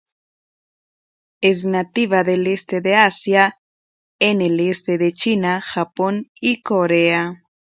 Es nativa del este de Asia, en el este de China, Japón y Corea.